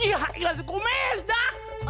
ih ilhasil kumis dah